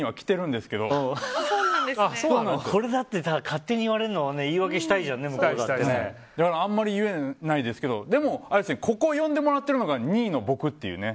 だって、勝手に言われるのだから、あんまり言えないですけどでも、ここに呼んでもらってるのが２位の僕っていうね。